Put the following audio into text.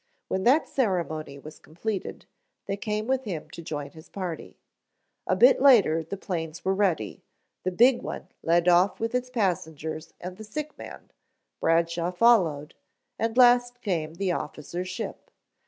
When that ceremony was completed, they came with him to join his party. A bit later the planes were ready, the big one led off with its passengers and the sick man, Bradshaw followed, and last came the officer's ship.